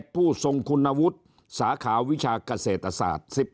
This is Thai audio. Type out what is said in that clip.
ผู้ทรงคุณวุฒิสาขาวิชาเกษตรศาสตร์